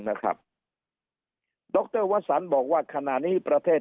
นะครับดรวสันบอกว่าขณะนี้ประเทศ